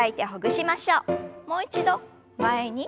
もう一度前に。